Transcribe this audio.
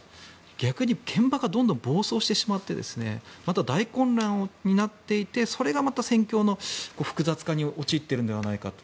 逆に現場がどんどん暴走してしまってまた大混乱になっていてそれがまた戦況の複雑化に陥っているのではないかと。